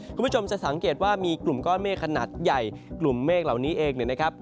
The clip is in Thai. คุณผู้ชมจะสังเกตว่ามีกลุ่มก้อนเมฆขนาดใหญ่กลุ่มเมฆเหล่านี้เองเนี่ยนะครับ